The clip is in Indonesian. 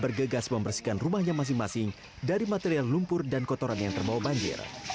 bergegas membersihkan rumahnya masing masing dari material lumpur dan kotoran yang terbawa banjir